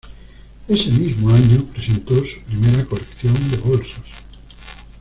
Ese mismo año presentó su primera colección de bolsos.